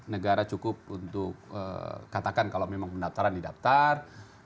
negara cukup untuk katakan kalau memang pendaftaran di daftar